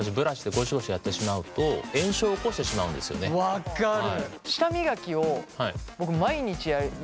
分かる。